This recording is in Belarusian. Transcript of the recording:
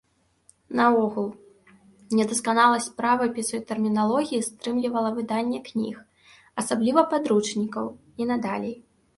Наогул, недасканаласць правапісу і тэрміналогіі стрымлівала выданне кніг, асабліва падручнікаў, і надалей.